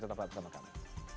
tetap berlatih bersama kami